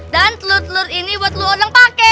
dan telur telur ini buat lu orang pake